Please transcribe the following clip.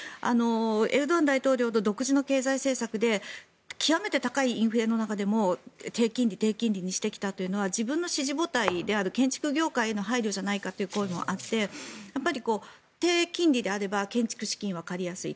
エルドアン大統領の独自の経済政策で極めて高いインフレの中でも低金利にしてきたというのは自分の支持母体である建築業界への配慮じゃないかという声もあってやっぱり低金利であれば建築資金は借りやすい。